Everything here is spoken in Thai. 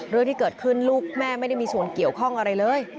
เรื่องที่เกิดขึ้นลูกแม่ไม่ได้มีส่วนเกี่ยวข้องอะไรเลย